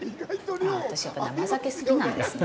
ああ、私、やっぱり生酒、好きなんですね。